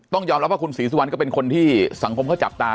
ต้องยอมรับว่าคุณศรีสุวรรณก็เป็นคนที่สังคมเขาจับตา